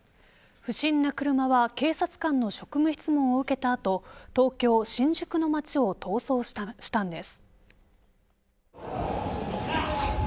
不審な車は警察官の職務質問を受けた後東京、新宿の街を逃走したんです。